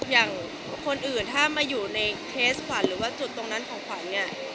อย่างคนอื่นถ้ามาอยู่ในเคสขวัญหรือว่าจุดตรงนั้นของขวัญเนี่ย